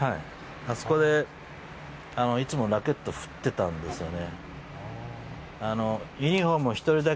あそこでいつもラケットを振っていたんですよね。